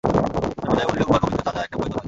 সর্বজয়া বলিল, গোঁয়ার গোবিন্দ চাযা একটা বই তো নয়!